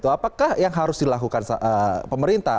apakah yang harus dilakukan pemerintah